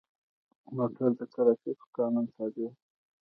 موټر د ټرافیکو قانون تابع دی.